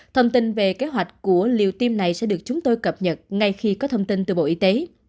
thông tin về kế hoạch của liều tiêm này sẽ được chúng tôi cập nhật ngay khi có thông tin từ bộ y tế